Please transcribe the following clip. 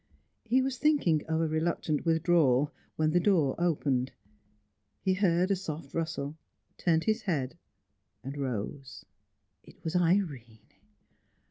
He was thinking of a reluctant withdrawal, when the door opened. He heard a soft rustle, turned his head, and rose. It was Irene!